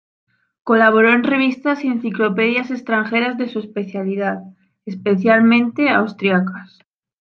Colaboró en revistas y enciclopedias extranjeras de su especialidad, especialmente austriacas.